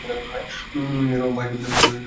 মিমির বাবা বাস ডিপোতে সবাইকে বলছিল।